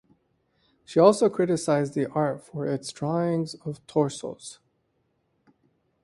She also criticized the art for its drawings of torsos.